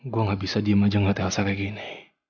gue gak bisa diem aja ngetel segini